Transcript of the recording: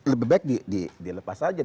lebih baik dilepas aja